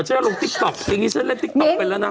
เจ๊ลงติ๊กต๊อกทีนี้จะเล่นติ๊กต้อกมาแล้วนะ